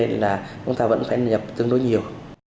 vì vậy là chúng ta vẫn phải nhập tương đối nhiều